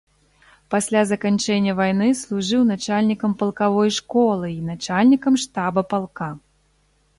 Пасля заканчэння вайны служыў начальнікам палкавой школы і начальнікам штаба палка.